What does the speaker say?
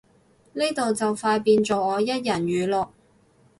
呢度就快變做我一人語錄